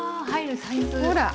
ほら！